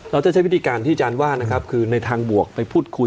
เราจะใช้วิธีการที่อาจารย์ว่านะครับคือในทางบวกไปพูดคุย